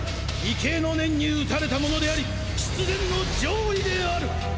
畏敬の念に打たれたものであり必然の譲位である！